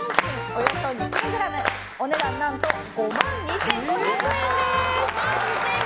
およそ２ｋｇお値段何と５万２５００円です。